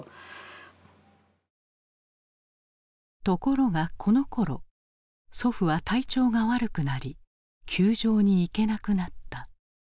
ところがこのころ祖父は体調が悪くなり球場に行けなくなった。